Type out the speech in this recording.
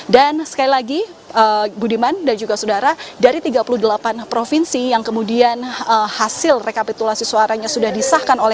dan sekali lagi gudiman dan juga sudara dari tiga puluh delapan provinsi yang kemudian hasil rekapitulasi suaranya sudah disahkan